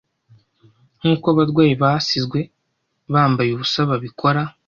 Nkuko abarwanyi basizwe bambaye ubusa babikora